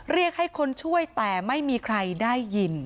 เรียกให้คนช่วยแต่ไม่มีใครได้ยิน